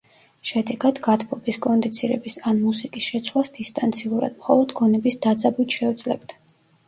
შედეგად გათბობის, კონდიცირების, ან მუსიკის შეცვლას დისტანციურად, მხოლოდ გონების დაძაბვით შევძლებთ.